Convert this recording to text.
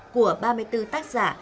của ba mươi bốn tác giả